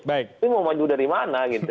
tapi mau maju dari mana